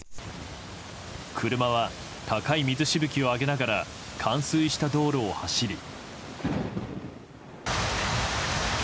車は高い水しぶきを上げながら冠水した道路を走り。